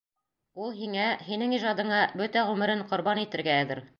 Ул һиңә, һинең ижадыңа бөтә ғүмерен ҡорбан итергә әҙер!